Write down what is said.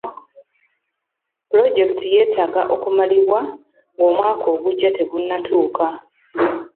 Pulojekiti yeetaaga okumalibwa nga omwaka ogujja tegunnatuuka.